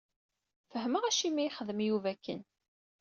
Fehmeɣ acimi yexdem Yuba akken.